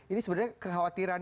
ini sebenarnya kekhawatiran